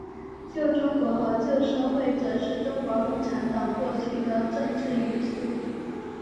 旧中国和旧社会则是中国共产党过去常用的政治术语。